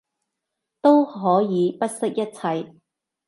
都可以不惜一切